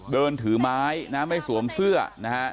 เดินถือไม้นะไม่สวมเสื้อนะฮะ